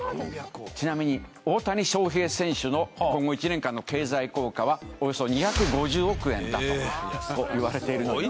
ちなみに大谷翔平選手の今後１年間の経済効果はおよそ２５０億円だと言われてる。